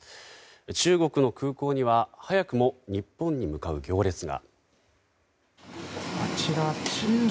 中国の空港には早くも日本に向かう行列が。